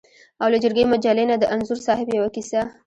او له جرګې مجلې نه د انځور صاحب یوه کیسه.